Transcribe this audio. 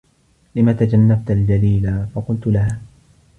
لِمَ تَجَنَّبْتَ الْجَلِيلَا فَقُلْت لَهَا